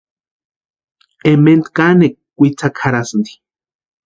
Ementa kanekwa witsakwa jarhasïnti.